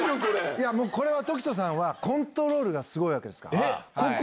いや、もう、これは凱人さんはコントロールがすごいわけですから。